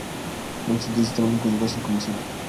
No obstante, el sistema nunca llegó a ser comercial.